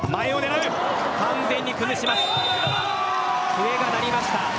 笛が鳴りました。